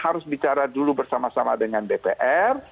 harus bicara dulu bersama sama dengan dpr